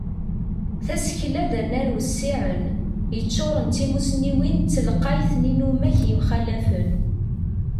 Tasekla d anar wissiɛen, yeččuren d timusniwin d telqayt n yinumak yemxalafen.